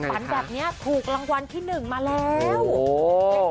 ฝันแบบนี้ถูกรางวัลที่หนึ่งมาแล้ว